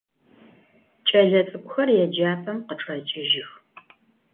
Ç'elets'ık'uxer yêcap'em khıçç'eç'ıjıx.